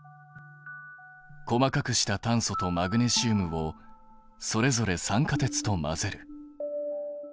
細かくした炭素とマグネシウムをそれぞれ酸化鉄と混ぜる。